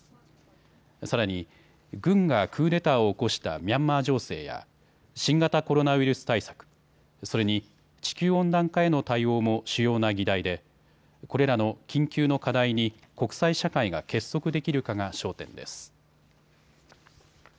さらに軍がクーデターを起こしたミャンマー情勢や新型コロナウイルス対策、それに、地球温暖化への対応も主要な議題でこれらの緊急の課題に国際社会が結束できるかが焦点です。